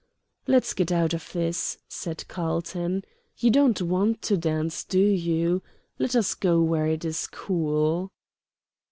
"Let's get out of this," said Carlton. "You don't want to dance, do you? Let us go where it's cool."